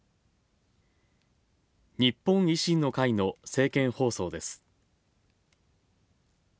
日本維新の会の政見放送です。